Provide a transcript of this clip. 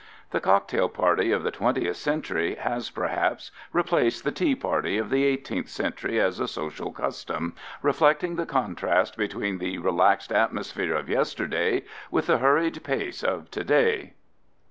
The cocktail party of the 20th century has, perhaps, replaced the tea party of the 18th century as a social custom, reflecting the contrast between the relaxed atmosphere of yesterday with the hurried pace of today.